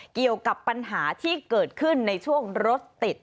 เกี่ยวกับปัญหาที่เกิดขึ้นในช่วงรถติด